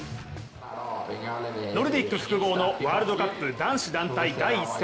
ノルディック複合のワールドカップ男子団体第１戦。